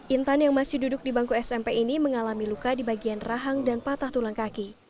intan yang masih duduk di bangku smp ini mengalami luka di bagian rahang dan patah tulang kaki